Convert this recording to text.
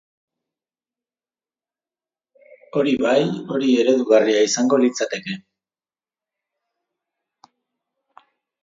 Hori bai, hori eredugarria izango litzateke.